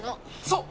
そう！